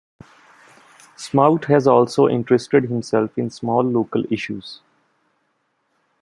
Smout has also interested himself in small local issues.